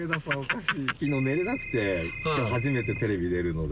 昨日寝れなくて初めてテレビに出るので。